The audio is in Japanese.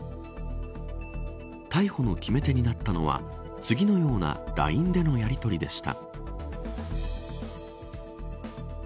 逮捕の決め手になったのは次のようなＬＩＮＥでのやり取りでした。